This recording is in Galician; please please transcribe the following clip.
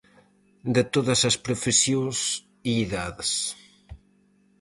De todas as profesións e idades.